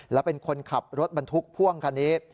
และเป็นคนขับรถบรรทุกพ่วงคันนี้